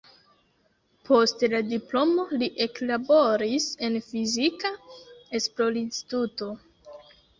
Post la diplomo li eklaboris en fizika esplorinstituto.